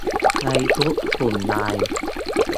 ในทุกกลุ่มไลน์